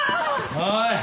おい。